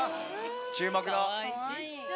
注目の。